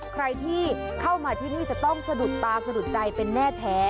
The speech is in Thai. ใครที่เข้ามาที่นี่จะต้องสะดุดตาสะดุดใจเป็นแน่แท้